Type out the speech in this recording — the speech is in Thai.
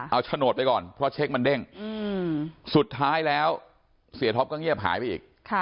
เอาโฉนดไปก่อนเพราะเช็คมันเด้งสุดท้ายแล้วเสียท็อปก็เงียบหายไปอีก